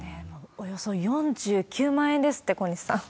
およそ４９万円ですって、小西さん。